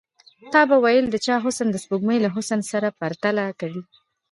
تا به ويل د چا حسن د سپوږمۍ له حسن سره پرتله کوي.